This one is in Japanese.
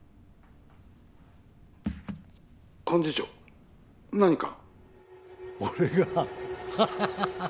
幹事長何か？